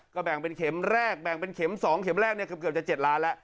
ก็แบ่งเป็นเข็มแรกแบ่งเป็นเข็ม๒เข็มแรกเนี่ยเกือบจะ๗ล้านแล้ว